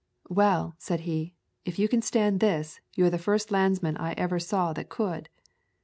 "Well," said he, "if you can stand this, you are the first landsman I ever saw that could."